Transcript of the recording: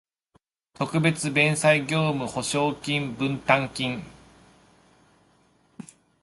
特別弁済業務保証金分担金